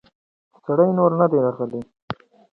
سړی نور نه دی راغلی.